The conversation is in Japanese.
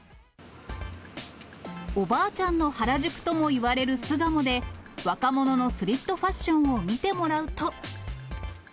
おばあちゃんの原宿ともいわれる巣鴨で、若者のスリットファッションを見てもらうと。